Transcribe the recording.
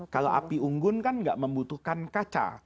kalau api unggun kan nggak membutuhkan kaca